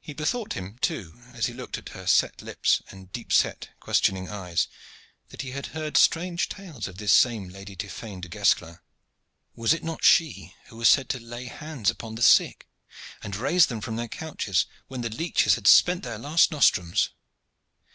He bethought him, too, as he looked at her set lips and deep set questioning eyes, that he had heard strange tales of this same Lady Tiphaine du Guesclin. Was it not she who was said to lay hands upon the sick and raise them from their couches when the leeches had spent their last nostrums?